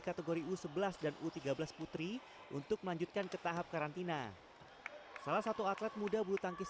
kategori u sebelas dan u tiga belas putri untuk melanjutkan ke tahap karantina salah satu atlet muda bulu tangkis